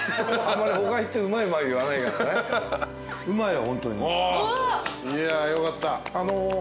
いやよかった。